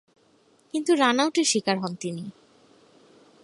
কিন্তু রান-আউটের শিকার হন তিনি।